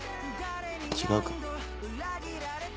違うか？